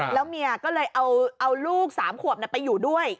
แล้วเมียก็เลยเอาลูก๓ขวบไปอยู่ด้วย